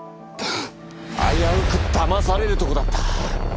危うくだまされるとこだった。